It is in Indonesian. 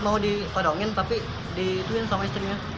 sempat mau ditodongin tapi dituwin sama istrinya